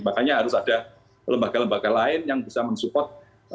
makanya harus ada lembaga lembaga lain yang bisa mensupport